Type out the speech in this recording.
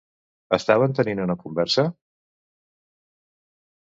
Estaven tenint una conversa?